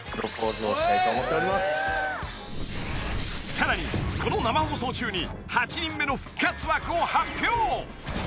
さらに、この生放送中に８人目の復活枠を発表。